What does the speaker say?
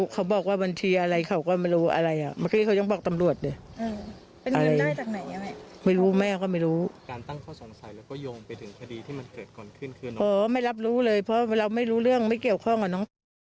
เคยมีการรักษาทางโรงพยาบาลอย่างนั้น